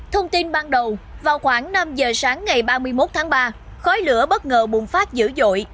thông tin ban đầu vào khoảng năm giờ sáng ngày ba mươi một tháng ba khói lửa bất ngờ bùng phát dữ dội